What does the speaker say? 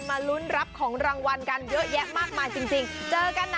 มารุ้นรับของรางวัลกันเยอะแยะมากมายจริง